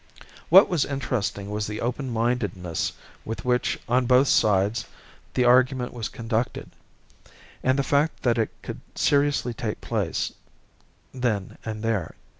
What was interesting was the open mindedness with which, on both sides, the argument was conducted, and the fact that it could seriously take place then and there.